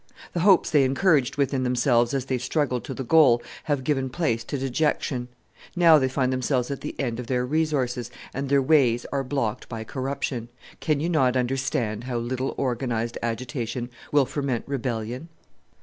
The hopes they encouraged within themselves as they struggled to the goal have given place to dejection. Now they find themselves at the end of their resources, and their ways are blocked by corruption! Can you not understand how little organized agitation will ferment rebellion?"